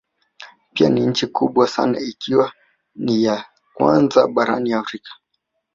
Pia ni nchi kubwa sana ikiwa ni ya kwanza barani Afrika